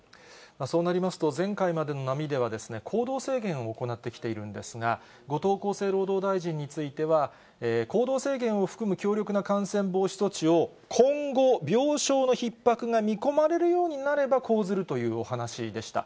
そうなりますと、前回までの波では行動制限を行ってきているんですが、後藤厚生労働大臣については、行動制限を含む強力な感染防止措置を今後、病床のひっ迫が見込まれるようになれば講ずるというお話でした。